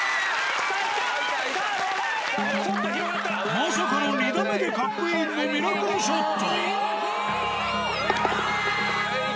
まさかの２打目でカップインのミラクルショット。